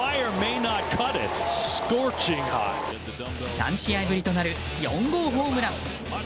３試合ぶりとなる４号ホームラン。